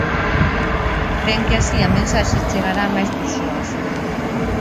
Cren que así a mensaxe chegará a máis persoas.